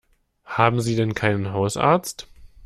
Haben Sie denn keinen Hausarzt?